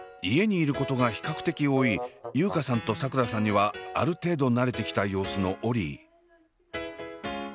家にいることが比較的多い優佳さんとさくらさんにはある程度慣れてきた様子のオリィ。